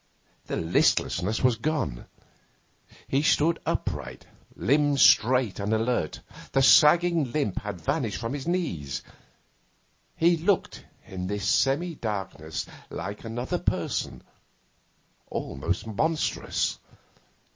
The listlessness was gone. He stood upright, limbs straight and alert; the sagging limp had vanished from the knees. He looked, in this semi darkness, like another person, almost monstrous.